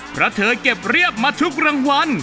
เพราะเธอเก็บเรียบมาทุกรางวัล